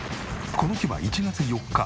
この日は１月４日。